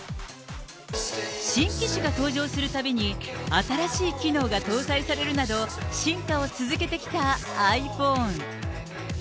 新機種が登場するたびに、新しい機能が搭載されるなど、進化を続けてきたｉＰｈｏｎｅ。